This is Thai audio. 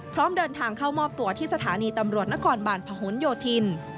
พร้อมเดินทางเข้ามอบตัวที่สถานีตำรวจนครบาลพหนโยธิน